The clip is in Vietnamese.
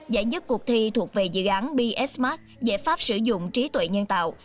giải nhất cuộc thi thuộc về dự án bsmart giải pháp sử dụng trí tuệ nhân tạo